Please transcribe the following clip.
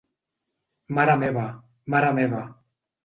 Mare meva, mare meva.